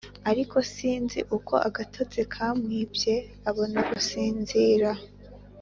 ariko sinzi uko agatotsi kamwibye abona gusinzira.